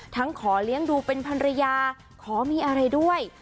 ขอเลี้ยงดูเป็นภรรยาขอมีอะไรด้วย